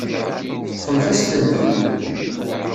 Teṭṭfemt-as-tent-id.